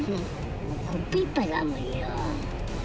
コップ１杯だもんよ。